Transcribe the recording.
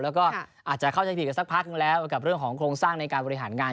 แล้วก็อาจจะเข้าใจผิดกันสักพักนึงแล้วกับเรื่องของโครงสร้างในการบริหารงาน